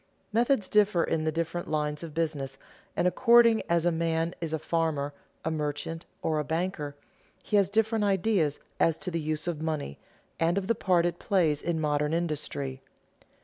Methods differ in the different lines of business, and according as a man is a farmer, a merchant, or a banker, he has different ideas as to the use of money and of the part it plays in modern industry.